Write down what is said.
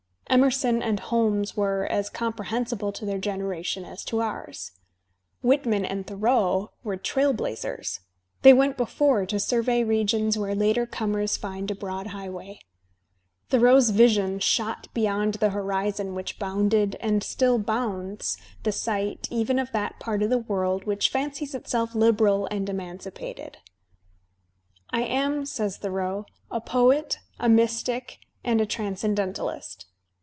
Emerson and Holmes were as comprehensible to their generation as to ours. Whitmmi and Thoreau were trail blazers; they went before to survey regions where later comers find a broad highway.* Thoreau's vision shot beyond the horizon which bounded and still bounds the sight even of that part of the world which fancies itself libei^l and emancipated. "I am," says Thoreau, "a poet, a mystic and a transcen dentaJist."